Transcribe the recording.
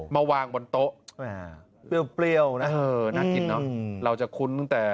มาวางบนโต๊ะเปรี้ยวนะเออน่ากินเนอะเราจะคุ้นตั้งแต่